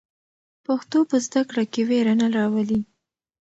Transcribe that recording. پښتو په زده کړه کې وېره نه راولي.